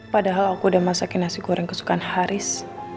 padahal aku udah masakin nasi goreng kesukaan haris